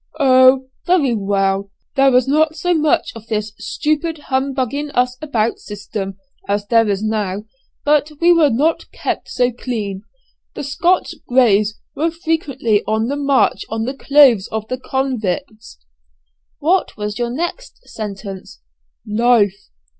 "Oh, very well, there was not so much of this stupid humbugging us about system as there is now, but we were not kept so clean. The Scots greys were frequently on the march on the clothes of the convicts." "What was your next sentence?" "Life."